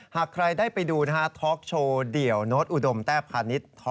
หากใครได้ไปดูทอล์กโชว์เดี่ยวโน๊ตอุดมแท่พาณิชย์